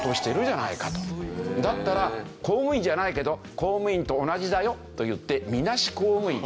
だったら公務員じゃないけど公務員と同じだよといってみなし公務員。